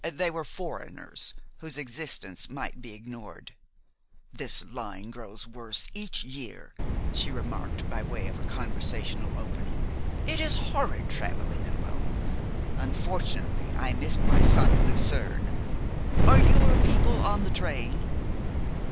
They were "foreigners," whose existence might be ignored. "This line grows worse each year," she remarked, by way of a conversational opening. "It is horrid traveling alone. Unfortunately, I missed my son at Lucerne. Are your people on the train?"